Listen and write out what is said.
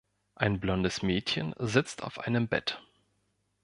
Ein blondes Mädchen sitzt auf einem Bett.